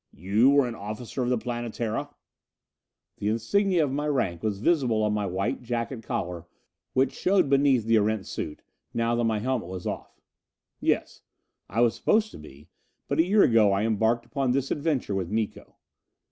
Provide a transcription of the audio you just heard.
"You were an officer of the Planetara?" The insignia of my rank was visible on my white jacket collar which showed beneath the Erentz suit, now that my helmet was off. "Yes, I was supposed to be. But a year ago I embarked upon this adventure with Miko."